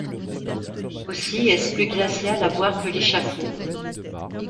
Aussi est-ce plus glacial à voir que l’échafaud.